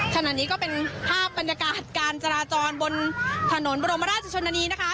ขณะนี้ก็เป็นภาพบรรยากาศการจราจรบนถนนบรมราชชนนานีนะคะ